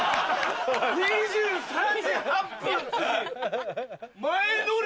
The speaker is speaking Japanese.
２３時８分！